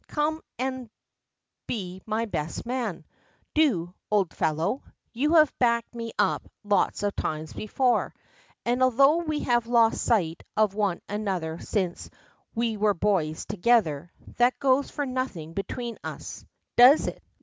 Come and be my best man: do, old fellow! You have backed me up lots of times before, and although we have lost sight of one another since 'we were boys together,' that goes for nothing between us does it?